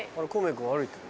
君歩いてる。